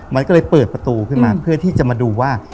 มันก็เลยเปิดประตูขึ้นมาเพื่อที่จะมาดูว่า